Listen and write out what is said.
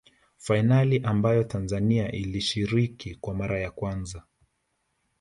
fainali ambazo tanzania ilishiriki kwa mara ya kwanza